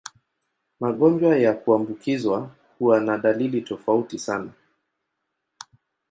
Magonjwa ya kuambukizwa huwa na dalili tofauti sana.